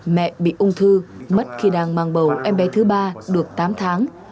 mẹ bị ung thư mất khi đang mang bầu em bé thứ ba được tám tháng